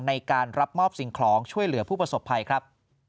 ในการรับมอบสิ่งของช่วยเหลือผู้ประสบภัยครับ